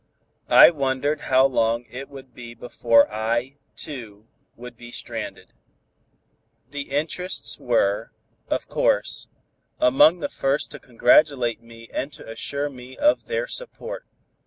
I wondered how long it would be before I, too, would be stranded. The interests, were, of course, among the first to congratulate me and to assure me of their support.